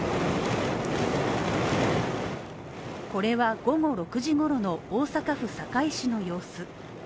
これは午後６時ごろの大阪府堺市の様子。